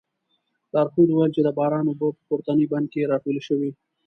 لارښود وویل چې د باران اوبه په پورتني بند کې راټولې شوې.